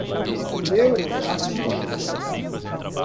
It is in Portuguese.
neuroatípico